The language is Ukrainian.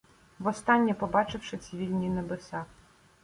Востаннє побачивши ці вільні небеса.